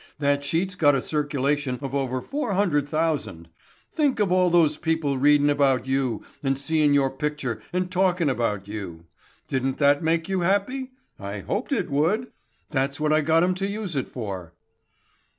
That sheet's got a circulation of over four hundred thousand. Think of all those people readin' about you and seein' your picture and talkin' about you. Didn't that make you happy? I hoped it would. That's what I got 'em to use it for."